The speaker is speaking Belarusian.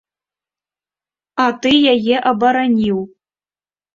А ты яе абараніў.